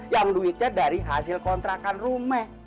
yang duitnya dari hasil kontrakan rumeh